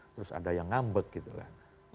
terus ada yang ngambek gitu kan